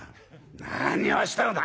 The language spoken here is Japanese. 「何をしてるのだ？」。